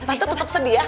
tante tetap sedih ya